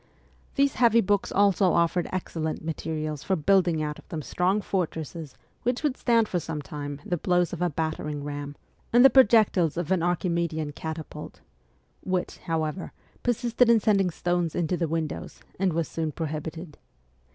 These heavy books also offered excellent materials for building out of them strong fortresses which would stand for some time the blows of a 64 MEMOIRS OF A REVOLUTIONIST battering ram and the projectiles of an Archimedean catapult (which, however, persisted in sending stones into the windows, and was soon prohibited).